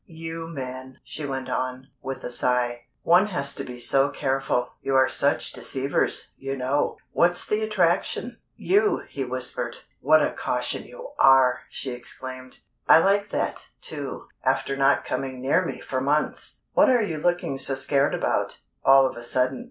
You men!" she went on, with a sigh. "One has to be so careful. You are such deceivers, you know! What's the attraction?" "You!" he whispered. "What a caution you are!" she exclaimed. "I like that, too, after not coming near me for months! What are you looking so scared about, all of a sudden?"